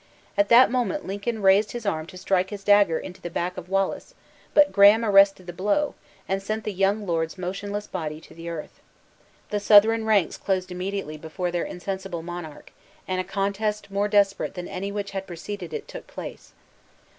At that moment Lincoln raised his arm to strike his dagger into the back of Wallace; but Graham arrested the blow, and sent the young lord's motionless body to the earth. The Southron ranks closed immediately before their insensible monarch; and a contest more desperate than any which had preceded it, took place.